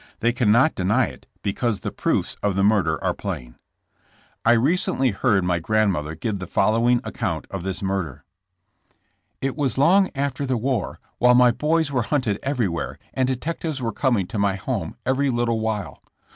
They cannot deny it be cauBe the proofs of the murder are plain. OUTUIWKD AND HUNTED. 85 I recently heard my grandmotlier give the fol lowing account of this murder: ''It was long after the war, while my boys were hunted everywhere and detectives were coming to my home every little while.